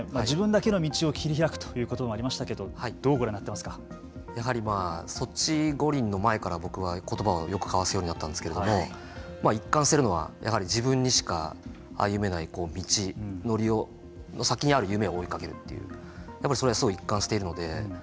自分だけの道を切り開くということばもありましたけどどうご覧になっていますか。やはりソチ五輪の前から僕はことばをよく交わすようになったんですけれども一貫しているのはやはり自分にしか歩めない道のりの先にある夢を追いかけるというそれはすごい一貫しているので。